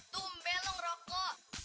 tum belong rokok